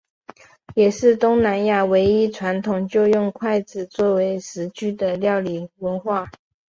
也是东南亚唯一传统上就用筷子作为食具的料理文化。